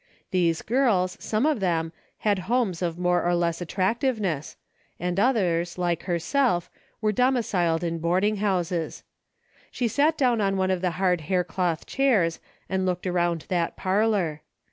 These girls, some of them, had homes of more or less at tractiveness, and others, like herself, were domiciled in boarding houses. She sat down on one of the hard haircloth chairs and looked around that parlor.